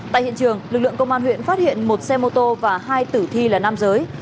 tại hiện trường lực lượng công an huyện phát hiện một xe mô tô và hai tử thi là nam giới